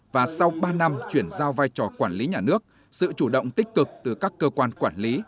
và sau ba năm chuyển giao vai trò quản lý nhà nước sự chủ động tích cực từ các cơ quan quản lý